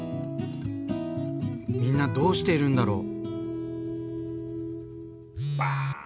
みんなどうしているんだろう？